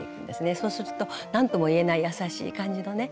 そうすると何ともいえない優しい感じのね